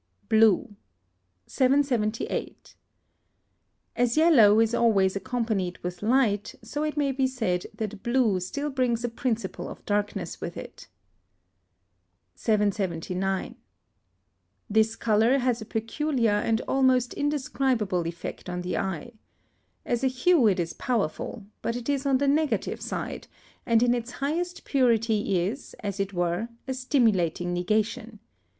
BLUE. 778. As yellow is always accompanied with light, so it may be said that blue still brings a principle of darkness with it. 779. This colour has a peculiar and almost indescribable effect on the eye. As a hue it is powerful, but it is on the negative side, and in its highest purity is, as it were, a stimulating negation.